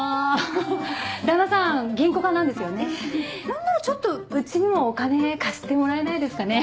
何ならちょっとうちにもお金貸してもらえないですかね？